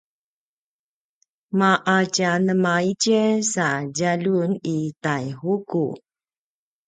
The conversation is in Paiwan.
ma’a tja nema itjen sa djaljun i Taihuku?